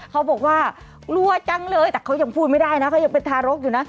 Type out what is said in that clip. เขาบอกว่ากลัวจังเลยแต่เขายังพูดไม่ได้นะเขายังเป็นทารกอยู่นะ